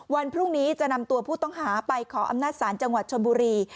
วันพรุ่งนี้จะนำตัวผู้ต้องหาไปขออำนาจศาลจังหวัดชนบุรี